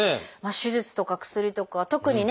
手術とか薬とか特にね